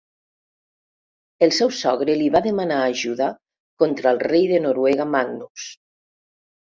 El seu sogre li va demanar ajuda contra el rei de Noruega Magnus.